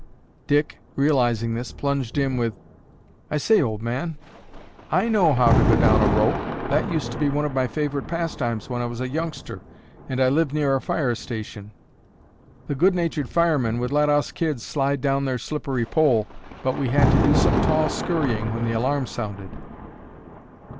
Dick, realizing this, plunged in with, "I say, old man, I know how to go down a rope. That used to be one of my favorite pastimes when I was a youngster and lived near a fire station. The good natured firemen would let us kids slide down their slippery pole but we had to do some tall scurrying when the alarm sounded."